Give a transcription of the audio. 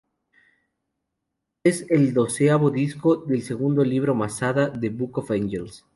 Es el doceavo disco del Segundo Libro Masada, ""The Book of Angels"".